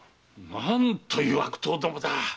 何という悪党どもだ！